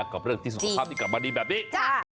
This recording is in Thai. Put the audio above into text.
กำลังปลอดภัยกับการบรรดีแบบนี้